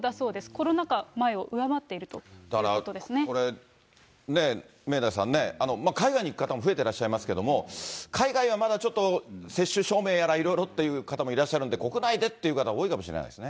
コロナ禍前を上回っているというだからこれ、ね、明大さんね、海外に行く方も増えてらっしゃいますけれども、海外はまだちょっと接種証明やらいろいろっていう方もいらっしゃるので、国内でという方多いかもしれないですね。